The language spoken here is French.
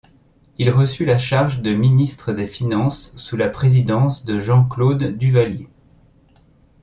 Il reçut la charge de ministre des Finances sous la présidence de Jean-Claude Duvalier.